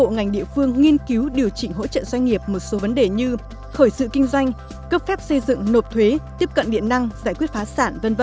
ngành địa phương nghiên cứu điều chỉnh hỗ trợ doanh nghiệp một số vấn đề như khởi sự kinh doanh cấp phép xây dựng nộp thuế tiếp cận điện năng giải quyết phá sản v v